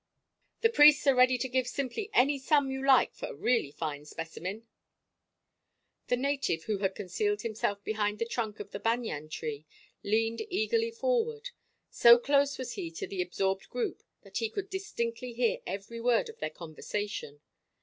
The priests are ready to give simply any sum you like for a really fine specimen." The native who had concealed himself behind the trunk of the banyan tree, leaned eagerly forward. So close was he to the absorbed group that he could distinctly hear every word of their conversation.